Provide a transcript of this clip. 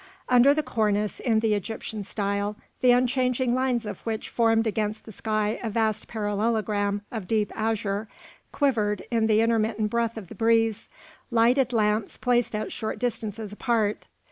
Under the cornice, in the Egyptian style, the unchanging lines of which formed against the sky a vast parallelogram of deep azure, quivered, in the intermittent breath of the breeze, lighted lamps placed at short distances apart.